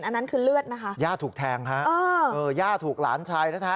อันนั้นคือเลือดนะคะย่าถูกแทงฮะเออย่าถูกหลานชายแท้